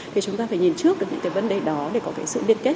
thì chúng ta phải nhìn trước những vấn đề đó để có sự liên kết